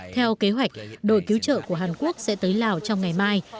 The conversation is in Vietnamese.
theo kế hoạch đội cứu trợ của hàn quốc sẽ tới lào trong ngày mai